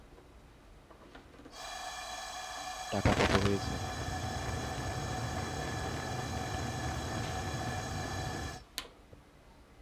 টাকা কত হয়েছে?